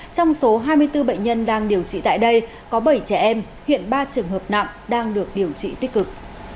trong số hai mươi bốn bệnh nhân đang điều trị tại đây có bảy trẻ em hiện ba trường hợp nặng đang được điều trị tích cực